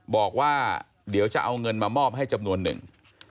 บอกว่าเดี๋ยวจะเอาเงินมามอบให้จำนวนหนึ่ง